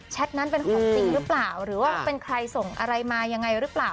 นั้นเป็นของจริงหรือเปล่าหรือว่าเป็นใครส่งอะไรมายังไงหรือเปล่า